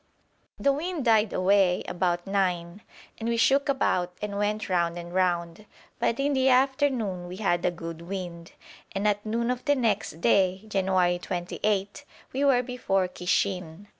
The wind died away about nine, and we shook about and went round and round; but in the afternoon we had a good wind, and at noon of the next day (January 28) we were before Kishin.